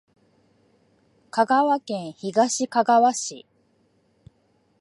香川県東かがわ市